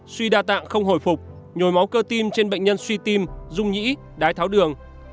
suy đa tạng không hồi phục nhồi máu cơ tim trên bệnh nhân suy tim rung nhĩ đái tháo đường